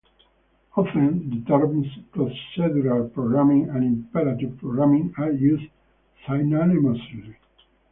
Often, the terms "procedural programming" and "imperative programming" are used synonymously.